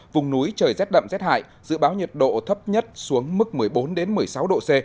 vùng núi trời rét đậm rét hại dự báo nhiệt độ thấp nhất xuống mức một mươi bốn một mươi sáu độ c